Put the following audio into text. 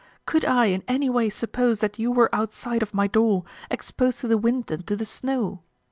Could I in any way suppose that you were outside of my door, exposed to the wind and to the snow?